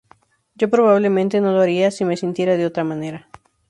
Yo probablemente no lo haría si me sintiera de otra manera".